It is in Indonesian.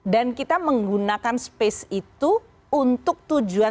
dan kita menggunakan space itu untuk tujuan